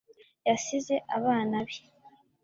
yasize abana be